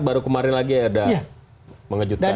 baru kemarin lagi ada mengejutkan